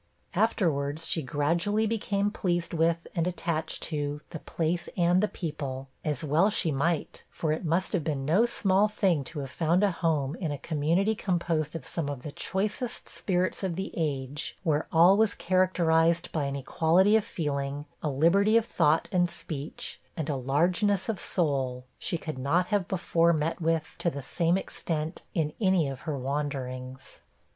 Afterwards, she gradually became pleased with, and attached to, the place and the people, as well she might; for it must have been no small thing to have found a home in a 'Community composed of some of the choicest spirits of the age,' where all was characterized by an equality of feeling, a liberty of thought and speech, and a largeness of soul, she could not have before met with, to the same extent, in any of her wanderings.